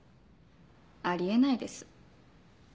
あり得ないです。